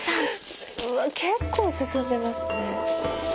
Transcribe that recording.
うわ結構進んでますね。